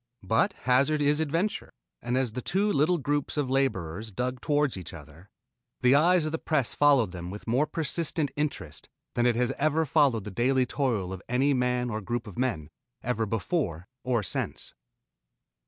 But hazard is adventure, and as the two little groups of laborers dug toward each other, the eyes of the press followed them with more persistent interest than it has ever followed the daily toil of any man or group of men, either before or since.